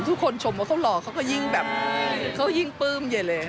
ชมว่าเขาหล่อเขาก็ยิ่งแบบเขายิ่งปลื้มใหญ่เลย